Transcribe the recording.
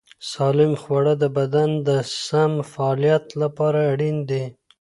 سالم خواړه د بدن د سم فعالیت لپاره اړین دي.